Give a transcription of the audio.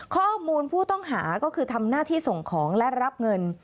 ข้อมูลผู้ต้องหาก็คือทำหน้าที่ส่งของและรับเงิน